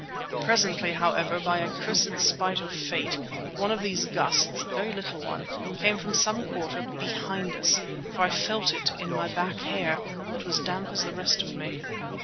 Presently, however, by a cursed spite of fate, one of these gusts—a very little one—came from some quarter behind us, for I felt it in my back hair, that was as damp as the rest of me.